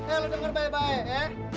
eh lo denger baik baik eh